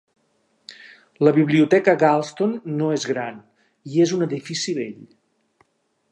La biblioteca Galston no és gran i és un edific vell.